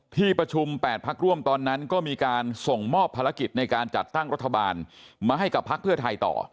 ที่ประชุม๘พักร่วมตอนนั้นก็มีการส่งมอบภารกิจในการจัดตั้งรัฐบาลมาให้กับพักเพื่อไทยต่อ